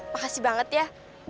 makasih banget ya